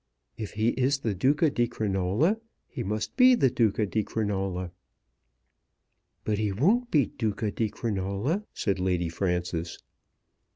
If he is the Duca di Crinola he must be the Duca di Crinola." "But he won't be Duca di Crinola," said Lady Frances.